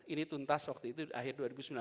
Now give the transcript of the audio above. ini tuntas waktu itu akhir dua ribu sembilan belas